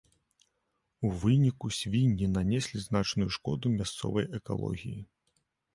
У выніку свінні нанеслі значную шкоду мясцовай экалогіі.